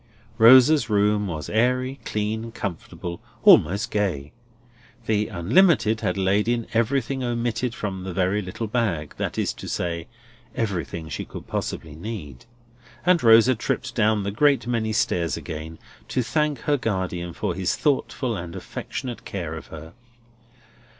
Rosa's room was airy, clean, comfortable, almost gay. The Unlimited had laid in everything omitted from the very little bag (that is to say, everything she could possibly need), and Rosa tripped down the great many stairs again, to thank her guardian for his thoughtful and affectionate care of her.